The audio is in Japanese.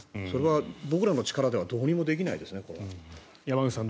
それは僕らの力ではどうにもできないですね